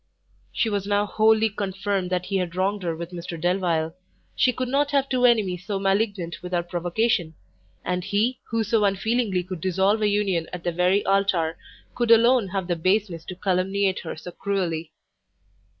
She was now wholly confirmed that he had wronged her with Mr Delvile; she could not have two enemies so malignant without provocation, and he who so unfeelingly could dissolve a union at the very altar, could alone have the baseness to calumniate her so cruelly.